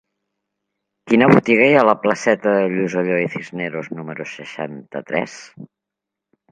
Quina botiga hi ha a la placeta de Lluís Ulloa i Cisneros número seixanta-tres?